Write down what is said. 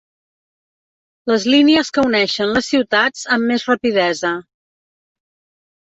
Les línies que uneixen les ciutats amb més rapidesa.